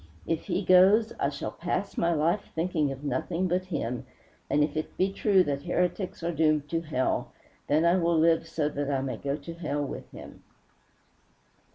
If he goes, I shall pass my life thinking of nothing but him, and if it be true that heretics are doomed to hell, then I will live so that I may go to hell with him."